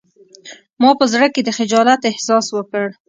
ما په زړه کې د خجالت احساس وکړ